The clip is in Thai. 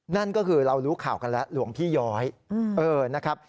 นั่นก็คือเรารู้ข่าวกันแล้วหลวงพี่ย้อยนะครับ